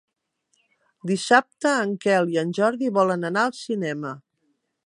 Dissabte en Quel i en Jordi volen anar al cinema.